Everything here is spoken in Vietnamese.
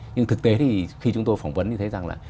nhưng thực tế thì khi chúng tôi phỏng vấn thì thấy rằng là